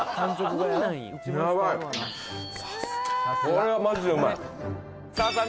これはマジでうまいさあさあ